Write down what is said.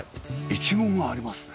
イチゴがありますね。